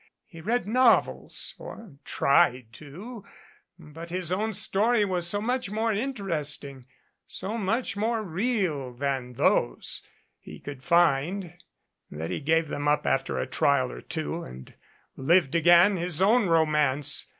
He read novels, or tried to, but his own story was so much more interesting, so much more real than those he could find that he gave them up after a trial or two and lived again his own romance.